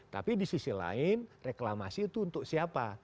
tapi di sisi lain reklamasi itu untuk siapa